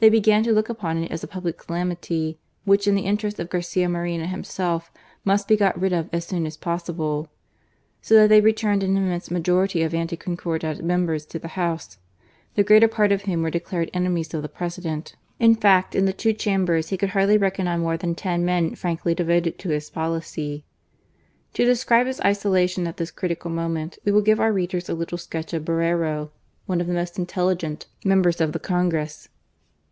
began to look upon it as a public calamity, which, in the interest of Garcia Moreno himself, must be got rid of as soon as possible : so that they returned an immense majority of anti Concordat members to ! the House, the greater part of whom were declared • enemies of the President. In fact, in the two Chambers he could hardly reckon on more than ten men frankly devoted to his policy. To describe his isolation at this critical moment^ we will give our readers a little sketch of Borrero, one of the most intelligent members of the Congress.